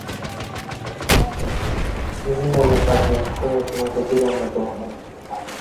তিনি দলের পাঁচজন সহসভাপতির অন্যতম হন।